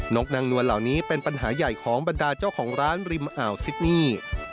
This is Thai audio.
กนางนวลเหล่านี้เป็นปัญหาใหญ่ของบรรดาเจ้าของร้านริมอ่าวซิดนี่